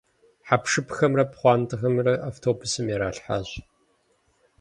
Хьэпшыпхэмрэ пхъуантэхэмрэ автобусым иралъхьащ.